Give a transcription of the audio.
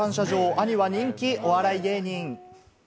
兄は人気お笑い芸人。